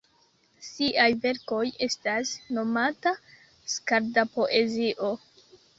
Siaj verkoj estas nomata skalda-poezio.